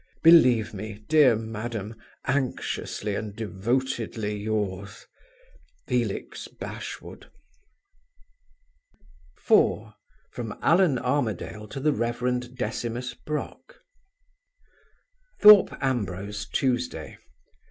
"Believe me, dear madam, anxiously and devotedly yours, FELIX BASHWOOD." 4. From Allan Armadale to the Reverend Decimus Brock. Thorpe Ambrose, Tuesday.